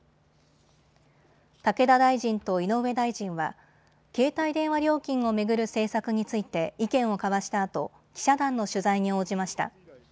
武田大臣と井上大臣は携帯電話料金を巡る政策について意見を交わしたあと記者団の取材に応じました。